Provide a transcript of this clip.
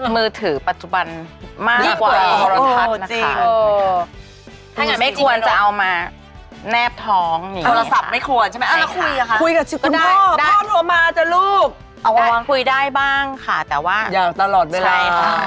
ไม่ควรจะเอามาแนบท้องอย่างนี้ค่ะคุยกับชื่อคุณพ่อพ่อโทรมาจ้ะลูกเอาไว้คุยได้บ้างค่ะแต่ว่าอย่างตลอดเวลา